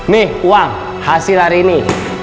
nih uang hasil hari ini